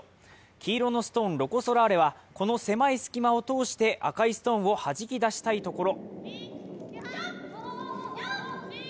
黄色のストーン、ロコ・ソラーレはこの狭い隙間を通して赤いストーンをはじき出したいところ。